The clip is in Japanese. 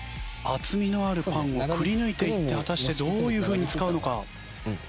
厚みのあるパンをくりぬいていって果たしてどういうふうに使うのか。